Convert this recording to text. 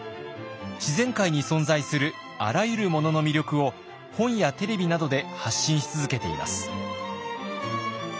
自然界に存在するあらゆるものの魅力を本やテレビなどで発信し続けています。